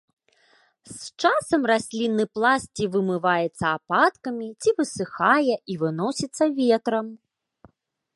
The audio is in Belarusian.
З часам раслінны пласт ці вымываецца ападкамі, ці высыхае і выносіцца ветрам.